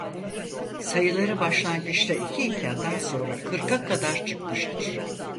Sayıları başlangıçta iki iken daha sonra kırka kadar çıkmıştır.